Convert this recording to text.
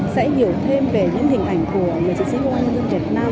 sẽ hiểu thêm về những hình ảnh của người chiến sĩ công an nhân dân việt nam